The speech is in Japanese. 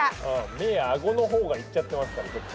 目や顎のほうがいっちゃってますから。